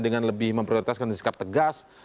dengan lebih memprioritaskan sikap tegas